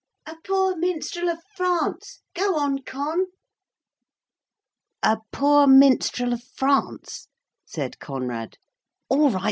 ("A poor minstrel of France") go on, Con.' 'A poor minstrel of France,' said Conrad, '(all right!